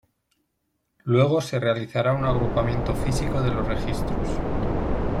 Luego se realizará un agrupamiento físico de los registros.